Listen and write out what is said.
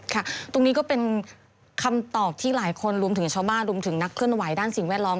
ตรงนี้ก็เป็นคำตอบที่หลายคนรวมถึงชาวบ้านรวมถึงนักเคลื่อนไหวด้านสิ่งแวดล้อม